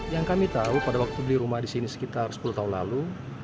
yang kami tahu pada waktu beli rumah di sini sekitar sepuluh tahun lalu